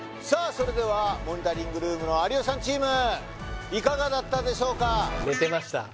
それではモニタリングルームの有吉さんチームいかがだったでしょうか？